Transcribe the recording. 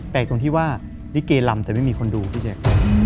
ตรงที่ว่าลิเกลำแต่ไม่มีคนดูพี่แจ๊ค